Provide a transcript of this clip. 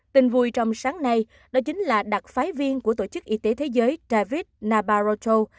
tin vui trong sáng nay đó chính là đặc phái viên của tổ chức y tế thế giới david nabaroto